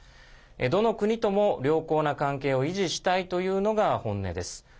どの国とも良好な関係を維持したいというのが本音です。